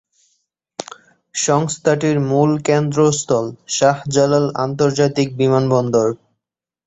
সংস্থাটির মূল কেন্দ্রস্থল শাহজালাল আন্তর্জাতিক বিমানবন্দর।